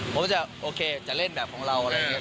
ผมก็จะโอเคจะเล่นแบบของเราอะไรอย่างนี้